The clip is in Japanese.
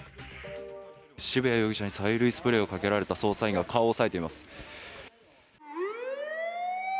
渋谷容疑者に催涙スプレーをかけられた捜査員が、顔を押さえています。